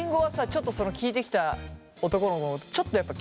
ちょっとその聞いてきた男の子のことちょっとやっぱ気になった？